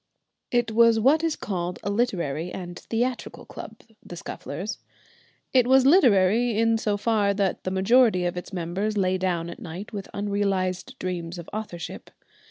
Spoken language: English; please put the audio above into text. It was what is called a literary and theatrical club, the Scufflers. It was literary in so far that the majority of its members lay down at night with unrealised dreams of authorship.